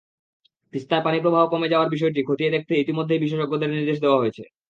তিস্তায় পানিপ্রবাহ কমে যাওয়ার বিষয়টি খতিয়ে দেখতে ইতিমধ্যেই বিশেষজ্ঞদের নির্দেশ দেওয়া হয়েছে।